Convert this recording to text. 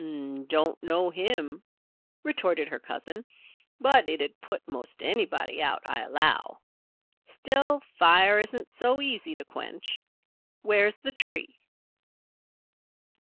"Don't know him," retorted her cousin. "But it'd put most anybody out, I allow. Still, fire isn't so easy to quench. Where's the tree?"